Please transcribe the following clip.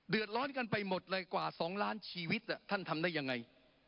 เดือดร้อนกันไปหมดเลยกว่า๒ล้านชีวิตท่านทำได้ยังไง